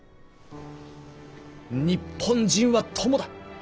「日本人は友だ。